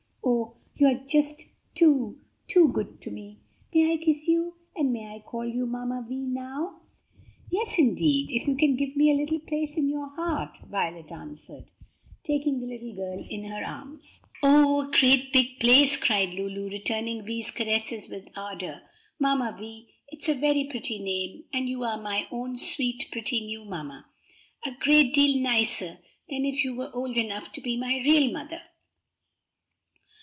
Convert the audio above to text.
"Oh, you are just too, too good to me! May I kiss you? and may I call you Mamma Vi now?" "Yes, indeed, if you can give me a little place in your heart," Violet answered, taking the little girl in her arms. "Oh, a great big place!" cried Lulu, returning Vi's caresses with ardor. "Mamma Vi! it's a very pretty name, and you are my own sweet, pretty new mamma! A great deal nicer than if you were old enough to be my real mother."